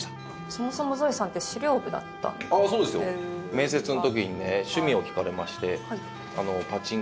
面接の時にね趣味を聞かれまして。